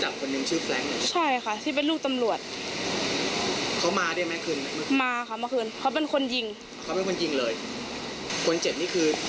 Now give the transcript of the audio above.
คนเจ็บนี่คือมีส่วนเกี่ยวข้องอะไรกับคนยิงไหม